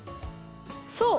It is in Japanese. そう。